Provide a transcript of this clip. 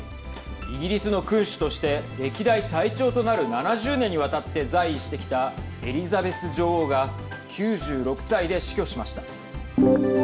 イギリスの君主として歴代最長となる７０年にわたって在位してきたエリザベス女王が９６歳で死去しました。